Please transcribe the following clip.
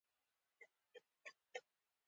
د مولوکان ټاپوګان د ځايي وګړو تر نابودولو وروسته.